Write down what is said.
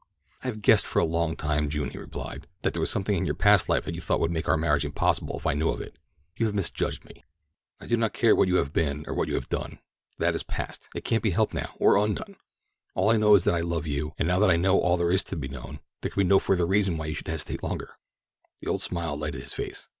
"I have guessed for a long time, June," he replied, "that there was something in your past life that you thought would make our marriage impossible if I knew of it. You have misjudged me. I do not care what you have been or what you have done. That is past—it can't be helped now, or undone. All I know is that I love you, and now that I know all there is to be known, there can be no further reason why you should hesitate longer." The old smile lighted his face.